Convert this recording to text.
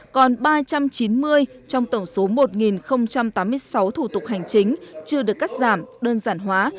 còn ba trăm chín mươi trong tổng số một tám mươi sáu thủ tục hành chính chưa được cắt giảm đơn giản hóa